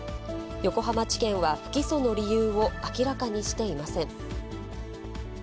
横浜地検は不起訴の理由を明らかにしていません。